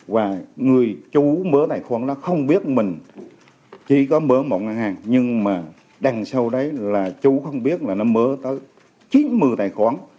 và người chú mở tài khoản nó không biết mình chỉ có mở một ngân hàng nhưng mà đằng sau đấy là chú không biết là nó mở tới chín mươi tài khoản